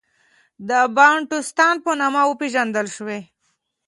د بانټوستان په نامه وپېژندل شوې.